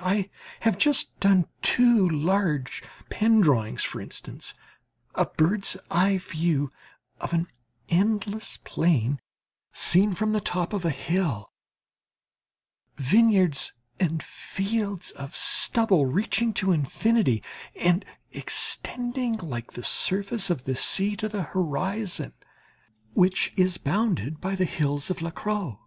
I have just done two large pen drawings, for instance, a bird's eye view of an endless plain seen from the top of a hill: vineyards, and fields of stubble reaching to infinity, and extending like the surface of the sea to the horizon, which is bounded by the hills of La Crau.